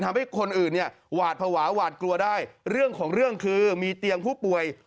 ทำให้คนอื่นเนี่ยหวาดภาวะหวาดกลัวได้เรื่องของเรื่องคือมีเตียงผู้ป่วย